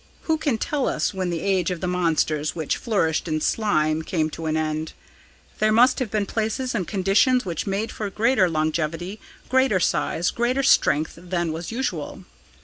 Who can tell us when the age of the monsters which flourished in slime came to an end? There must have been places and conditions which made for greater longevity, greater size, greater strength than was usual.